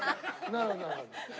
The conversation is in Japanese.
なるほどなるほど。